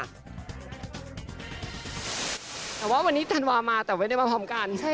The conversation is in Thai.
แต่ว่าวันนี้ธันวามาแต่ไม่ได้มาพร้อมกัน